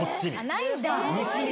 ないんだ。